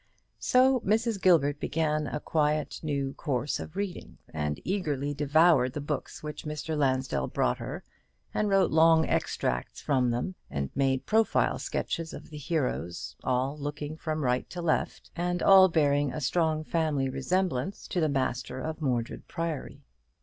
So Mrs. Gilbert began quite a new course of reading, and eagerly devoured the books which Mr. Lansdell brought her; and wrote long extracts from them, and made profile sketches of the heroes, all looking from right to left, and all bearing a strong family resemblance to the master of Mordred Priory.